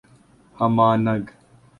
ہمانگ